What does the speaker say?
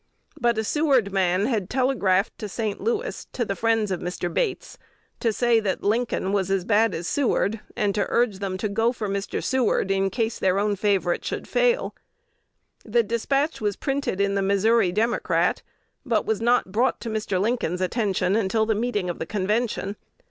But a Seward man had telegraphed to St. Louis, to the friends of Mr. Bates, to say that Lincoln was as bad as Seward, and to urge them to go for Mr. Seward in case their own favorite should fail. The despatch was printed in "The Missouri Democrat," but was not brought to Mr. Lincoln's attention until the meeting of the Convention.